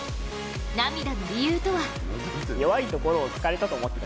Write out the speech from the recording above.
涙の理由とは？